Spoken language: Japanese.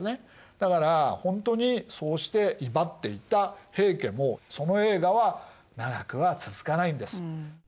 だからほんとにそうして威張っていた平家もその栄華は長くは続かないんです。